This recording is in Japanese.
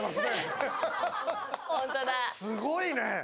すごいね。